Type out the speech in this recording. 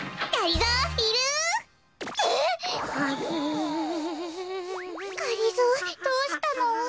がりぞーどうしたの？